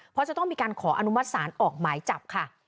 เพราะจะต้องมีการขออนุมัติศาลออกหมายจับค่ะ